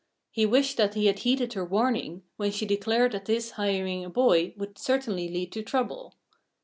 He wished that he had heeded her warning, when she declared that his hiring a boy would certainly lead to trouble.